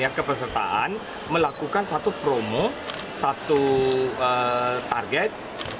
dari sisi kepesertaan melakukan satu promo satu target